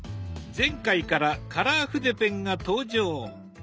前回からカラー筆ペンが登場。